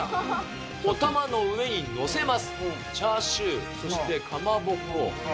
お玉の上に載せます、チャーシュー、そしてかまぼこ。